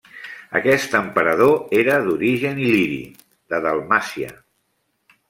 Aquest emperador era d'origen il·liri, de Dalmàcia.